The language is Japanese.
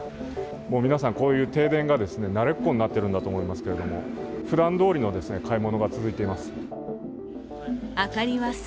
もう皆さんこういう停電が慣れっこになっているんだと思いますけれども、ふだんどおりの買い物が続いています。